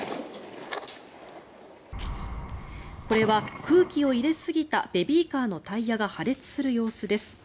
これは空気を入れすぎたベビーカーのタイヤが破裂する様子です。